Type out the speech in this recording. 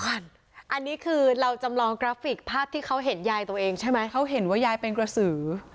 อันนี้คือเราจำลองกราฟิกภาพที่เขาเห็นยายตัวเองใช่ไหมเขาเห็นว่ายายเป็นกระสือ